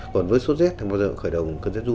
còn với sốt rét thì bao giờ khởi đầu cơn rét ru